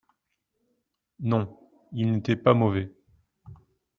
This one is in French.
Non, il n'était pas mauvais.